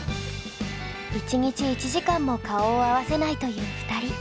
１日１時間も顔を合わせないという２人。